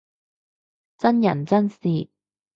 真人真事